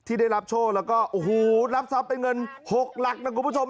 ที่ได้รับโชคแล้วก็โอ้โหรับทรัพย์เป็นเงิน๖หลักนะคุณผู้ชม